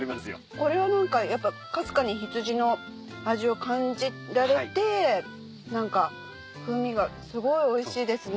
これは何かかすかに羊の味を感じられて風味がすごいおいしいですね。